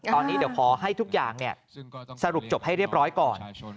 ตอนนี้เดี๋ยวขอให้ทุกอย่างสรุปจบให้เรียบร้อยก่อน